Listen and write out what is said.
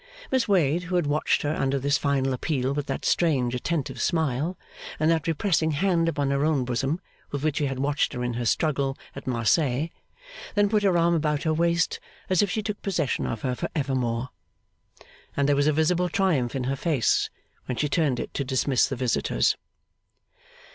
Miss Wade, who had watched her under this final appeal with that strange attentive smile, and that repressing hand upon her own bosom with which she had watched her in her struggle at Marseilles, then put her arm about her waist as if she took possession of her for evermore. And there was a visible triumph in her face when she turned it to dismiss the visitors.